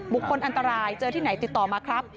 อันตรายเจอที่ไหนติดต่อมาครับ